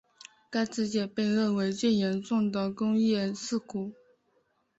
该事件被认为最严重的工业事故。